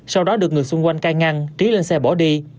sau đó được người xung quanh cai ngăn trí lên xe bỏ đi